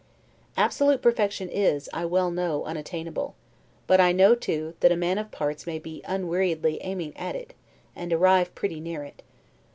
Absolute perfection is, I well know, unattainable; but I know too, that a man of parts may be unweariedly aiming at it, and arrive pretty near it.